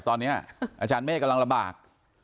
ตอนนี้อาจารย์เมฆกำลังลำบาก